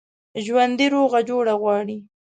ژوندي روغه جوړه غواړي